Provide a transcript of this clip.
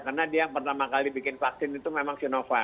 karena dia yang pertama kali bikin vaksin itu memang sinovac